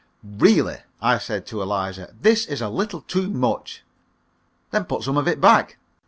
"Really," I said to Eliza, "this is a little too much!" "Then put some of it back."